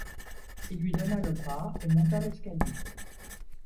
Il lui donna le bras et monta l’escalier.